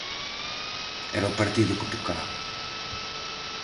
Era o partido que tocaba.